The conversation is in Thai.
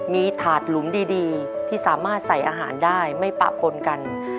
มีถาดหลุมดีที่สามารถใส่อาหารได้ไม่ปะปนกัน